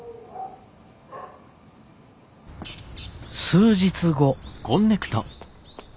数日後。